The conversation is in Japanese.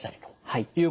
はい。